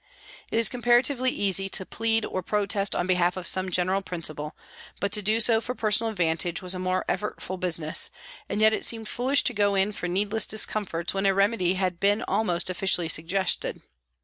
It is comparatively easy to plead or protest on behalf of some general principle, but to do so for personal advantage was a more effortful business, and yet it seemed foolish to go in for needless dis comforts when a remedy had been almost officially suggested.